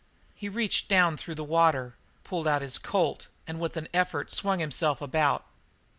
He reached down through the water, pulled out the colt, and with an effort swung himself about.